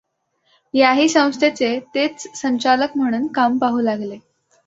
याही संस्थेचे तेच संचालक म्हणून काम पाहू लागले.